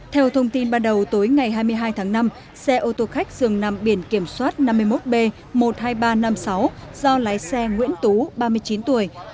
theo thông tin ban đầu tối ngày hai mươi hai tháng năm xe ô tô khách dường nằm biển kiểm soát năm mươi một b một mươi hai nghìn ba trăm năm mươi sáu do lái xe nguyễn tú ba mươi chín tuổi